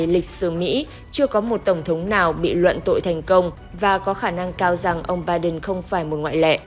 trong suốt chiều dài lịch sử mỹ chưa có một tổng thống nào bị luận tội thành công và có khả năng cao rằng ông biden không phải một ngoại lệ